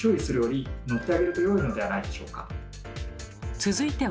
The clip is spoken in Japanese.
続いては。